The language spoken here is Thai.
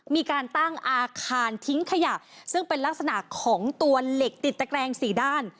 มีการตั้งอาคารทิ้งขยะซึ่งเป็นลักษณะของตัวเหล็กติดตะแกรงสี่ด้าน